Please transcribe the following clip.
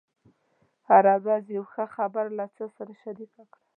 هره ورځ یوه ښه خبره له چا سره شریکه کړه.